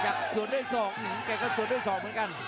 ประเภทมัยยังอย่างปักส่วนขวา